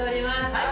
はい！